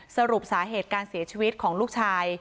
สรุปสาเหตุการเสียชีวิตของลูกชาย